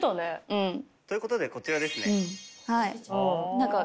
うん。ということでこちらですね。